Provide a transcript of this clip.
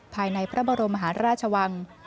ภายในพระบรมหาราชวัง